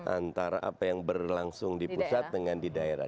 antara apa yang berlangsung di pusat dengan di daerah